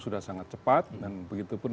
sudah sangat cepat dan begitu pun